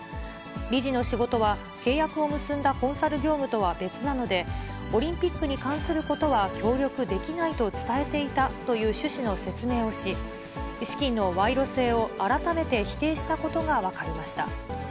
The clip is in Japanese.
理事の仕事は契約を結んだコンサル業務とは別なので、オリンピックに関することは協力できないと伝えていたという趣旨の説明をし、資金の賄賂性を改めて否定したことが分かりました。